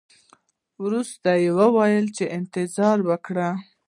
ورسته یې وویل چې انتظار وکړئ.